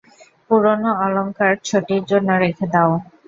পুরোনো অলংকার ছোটির জন্য রেখে দাও।